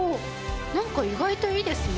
何か意外といいですね。